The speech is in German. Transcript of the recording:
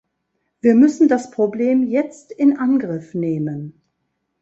Wir müssen das Problem jetzt in Angriff nehmen.